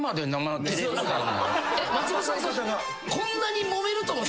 松本さん。